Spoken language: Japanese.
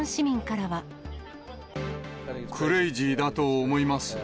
クレージーだと思います。